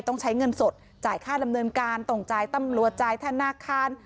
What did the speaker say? ต้องใช้เงินสดจ่ายค่าดำเนินการต้องจ่ายตำรวจจ่ายธนาคาร